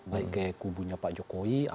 baik ke kubunya pak joko widodo